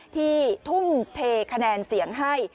ที่ทุ่มเทคะแนนเสียงให้